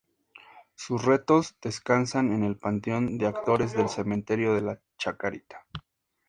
Sus restos descansan en el panteón de Actores del Cementerio de la Chacarita